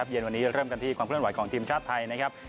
เย็นวันนี้เริ่มกันที่ความเคลื่อนไหวของทีมชาติไทยนะครับ